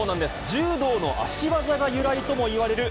柔道の足技が由来ともいわれる、